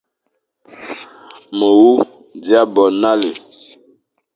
Mé wu dia bo nale,